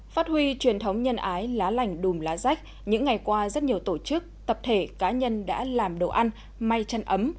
phát huy truyền thống nhân ái lá lành đùm lá rách những ngày qua rất nhiều tổ chức tập thể cá nhân đã làm đồ ăn may chân ấm